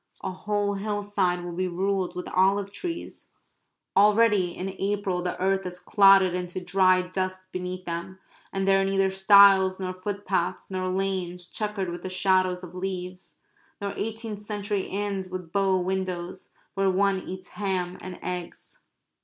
A whole hillside will be ruled with olive trees. Already in April the earth is clotted into dry dust between them. And there are neither stiles nor footpaths, nor lanes chequered with the shadows of leaves nor eighteenth century inns with bow windows, where one eats ham and eggs.